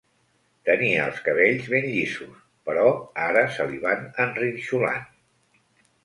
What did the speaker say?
Tenia els cabells ben llisos, però ara se li van enrinxolant.